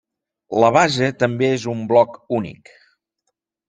La base també és un bloc únic.